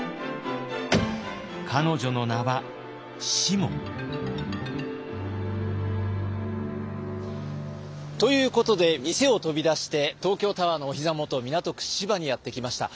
彼女の名は「しも」。ということで店を飛び出して東京タワーのおひざ元港区芝にやって来ました。